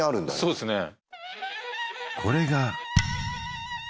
そうですね